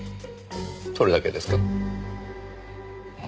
それだけですか？